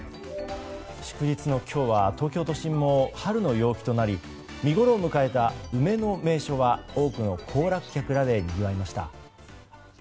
祝日の今日は東京都心も春の陽気となり見ごろを迎えた梅の名所は多くの行楽客らでにぎわいました。